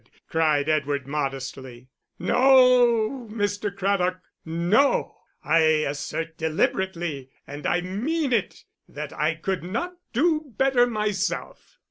cried Edward, modestly. "No, Mr. Craddock, no; I assert deliberately, and I mean it, that I could not do better myself.